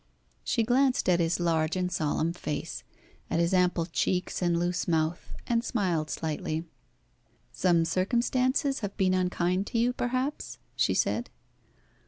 She glanced at his large and solemn face, at his ample cheeks and loose mouth, and smiled slightly. "Some circumstances have been unkind to you, perhaps?" she said.